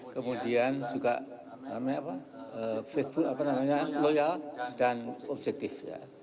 kemudian juga facebook loyal dan objektif